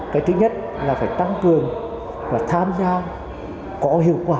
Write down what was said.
cái thứ nhất là phải tăng cường và tham gia có hiệu quả